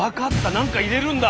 何か入れるんだ！